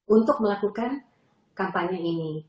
untuk melakukan kampanye ini